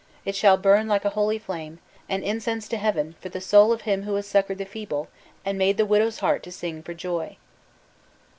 it shall burn like a holy flame, an incense to Heaven for the soul of him who has succored the feeble, and made the widow's heart to sing for joy!"